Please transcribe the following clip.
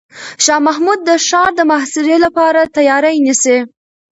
شاه محمود د ښار د محاصرې لپاره تیاری نیسي.